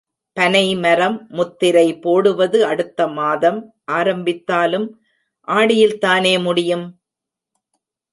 பனைமரம் முத்திரை போடுவது அடுத்த மாதம் ஆரம்பித்தாலும் ஆடியில் தானே முடியும்?